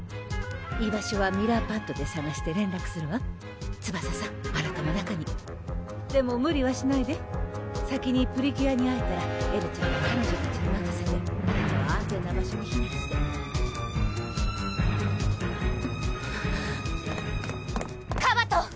居場所はミラーパッドでさがして連絡するわツバサさんあなたも中にでも無理はしないで先にプリキュアに会えたらエルちゃんは彼女たちにまかせてあなたは安全な場所に避難してカバトン！